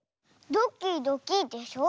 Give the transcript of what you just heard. ドキドキでしょ。